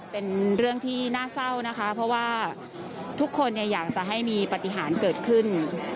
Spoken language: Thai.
เป็นเรื่องที่น่าเศร้านะคะเพราะว่าทุกคนอยากจะให้มีปฏิหารเกิดขึ้น